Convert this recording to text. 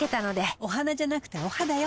お花じゃなくてお肌よ。